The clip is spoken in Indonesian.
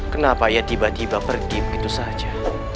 kenapa ia tiba tiba pergi begitu saja